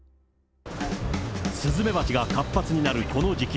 スズメバチが活発になるこの時期。